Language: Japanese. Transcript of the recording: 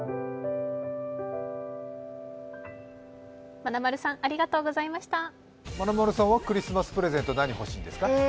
まなまるさんはクリスマスプレゼント何欲しいんですか？